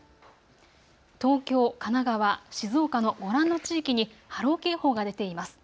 東京、神奈川、静岡のご覧の地域に波浪警報が出ています。